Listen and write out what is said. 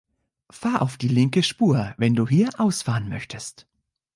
Fahr auf die linke Spur, wenn du hier ausfahren möchtest.